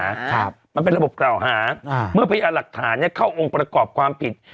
ครับมันเป็นระบบเก่าหาอ่าเมื่อพญานหลักฐานเนี้ย